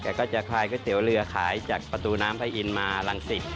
แต่ก็จะคลายก๋วยเตี๋ยวเรือขายจากประตูน้ำไพรอินมาหลังศิษย์